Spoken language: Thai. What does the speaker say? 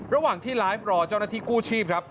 ระหว่างที่ไลฟ์รอเจ้าหน้าที่กู้ชีพครับ